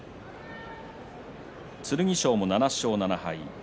剣翔も７勝７敗。